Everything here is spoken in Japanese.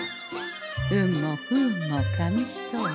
運も不運も紙一重。